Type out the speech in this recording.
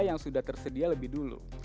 yang sudah tersedia lebih dulu